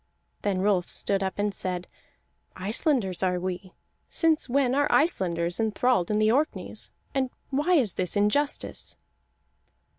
Then Rolf stood up and said: "Icelanders are we. Since when are Icelanders enthralled in the Orkneys, and why is this injustice?"